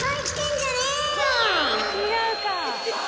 違うか。